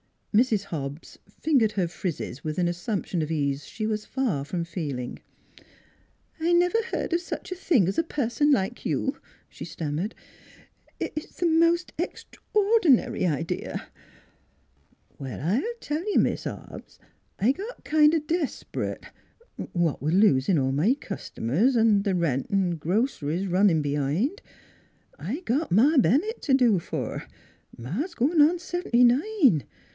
Mrs. Hobbs fingered her frizzes with an as sumption of ease she was far from feeling. " I never heard of such a thing as a person like you," she stammered. " It it's the most extraor dinary idea "" Well, I'll tell you, Mis' Hobbs, I got kind of des'prit, what with losin' all my cust'mers, 'n' th' rent 'n' groc'ries runnin' b'hind. I got Ma Ben nett t' do for; Ma's goin' on seventy nine.